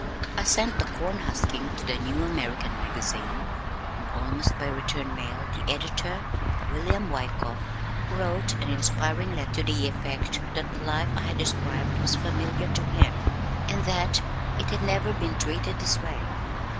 I sent "The Corn Husking" to the New American Magazine, and almost by return mail the editor, William Wyckoff, wrote an inspiring letter to the effect that the life I had described was familiar to him, and that it had never been treated in this way.